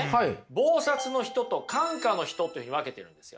忙殺の人と閑暇の人というふうに分けてるんですよ。